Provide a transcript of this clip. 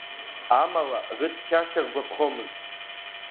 Амала рыцқьашьа ргәаԥхомымзт.